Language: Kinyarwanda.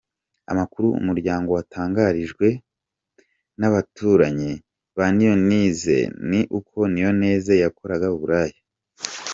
Amakuru Umuryango watangarijwe n’ abaturanyi ba Niyonteze ni uko Niyonteze yakoraga uburaya.